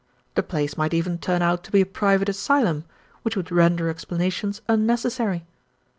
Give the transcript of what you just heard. The place might even turn out to be a private asylum, which would render explanations unnecessary.